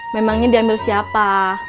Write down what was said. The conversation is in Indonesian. memangnya diambil siapa